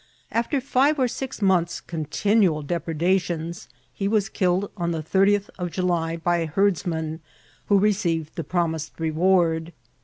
After fire or six months' continual depredations, he was killed on the thirtieth of July by a herdsman, who received the promised reward.